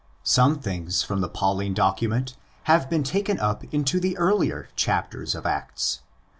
Some things from the Pauline document have been taken up into the earlier chapters of Acts.